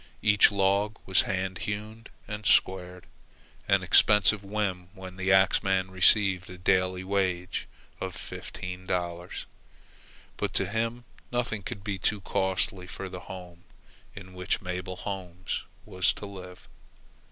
Each log was hand hewed and squared an expensive whim when the axemen received a daily wage of fifteen dollars; but to him nothing could be too costly for the home in which Mabel Holmes was to live.